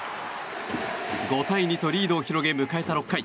５対２とリードを広げ迎えた６回。